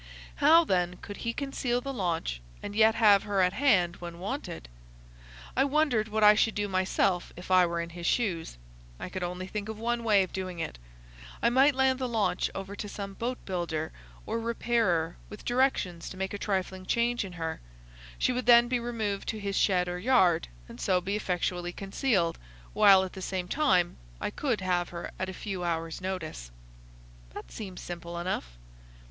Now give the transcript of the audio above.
How, then, could he conceal the launch and yet have her at hand when wanted? I wondered what I should do myself if I were in his shoes. I could only think of one way of doing it. I might land the launch over to some boat builder or repairer, with directions to make a trifling change in her. She would then be removed to his shed or yard, and so be effectually concealed, while at the same time I could have her at a few hours' notice." "That seems simple enough."